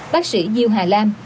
bác sĩ diêu hà lam